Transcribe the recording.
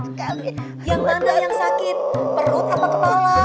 perut apa kepala